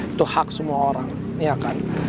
itu hak semua orang ya kan